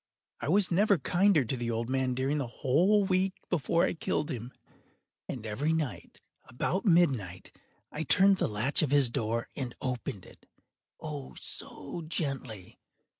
I was never kinder to the old man than during the whole week before I killed him. And every night, about midnight, I turned the latch of his door and opened it—oh, so gently!